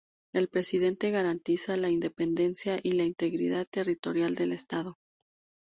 El presidente garantiza la independencia y la integridad territorial del estado.